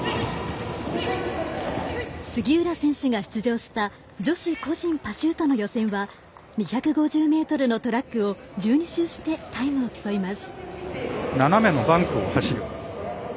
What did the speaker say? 杉浦選手が出場した女子個人パシュートの予選は２５０ｍのトラックを１２周してタイムを競います。